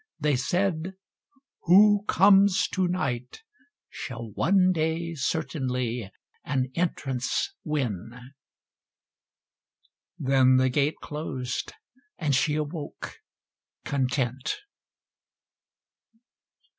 They said, "Who comes to night Shall one day certainly an entrance win;" Then the gate closed and she awoke content.